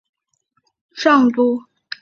治所即元上都。